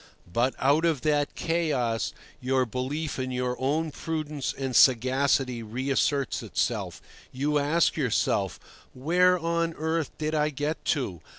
But out of that chaos your belief in your own prudence and sagacity reasserts itself. You ask yourself, Where on earth did I get to?